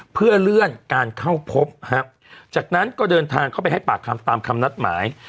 เพื่อเลื่อนการเข้าพบจากนั้นก็เดินทางเข้าไปให้ปากคำตามคำนัดหมาย